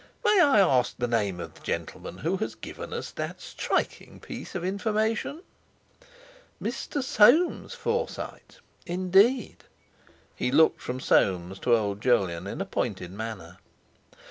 May I ask the name of the gentleman who has given us that striking piece of information? Mr. Soames Forsyte? Indeed!" He looked from Soames to old Jolyon in a pointed manner.